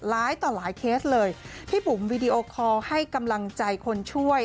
ต่อหลายเคสเลยพี่บุ๋มวีดีโอคอลให้กำลังใจคนช่วย